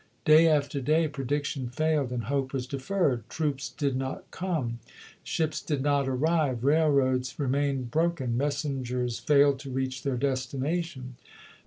Day after day prediction failed and hope was deferred; troops did not come, ships did not arrive, railroads re mained broken, messengers failed to reach their destination.